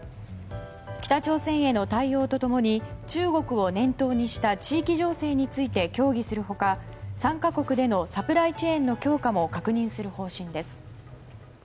北朝鮮への対応と共に中国を念頭にした地域情勢について協議する他３か国でのサプライチェーンの強化も確認する方針です。